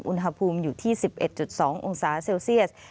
อุณหภูมิอยู่ที่๑๑๒องศาเซลเซียส